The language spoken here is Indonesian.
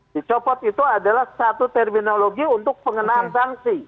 dicopot itu adalah satu terminologi untuk pengenaan sanksi